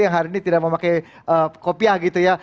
yang hari ini tidak memakai kopiah gitu ya